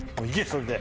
それで。